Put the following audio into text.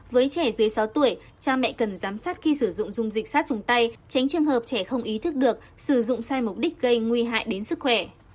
với trẻ dưới sáu tuổi cha mẹ cần giám sát khi sử dụng dung dịch sát trùng tay tránh trường hợp trẻ không ý thức được sử dụng sai mục đích gây nguy hại đến sức khỏe